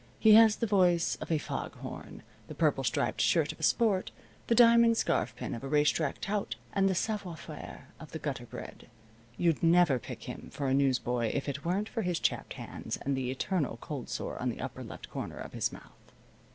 He has the voice of a fog horn, the purple striped shirt of a sport, the diamond scarf pin of a racetrack tout, and the savoir faire of the gutter bred. You'd never pick him for a newsboy if it weren't for his chapped hands and the eternal cold sore on the upper left corner of his mouth.